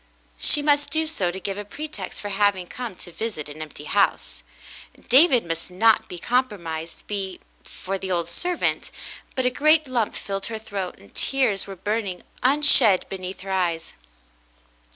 She must do so to give a pretext for having come to visit an empty house. David must not be compromised be fore the old servant, but a great lump filled her throat, and tears were burning unshed beneath her eyes.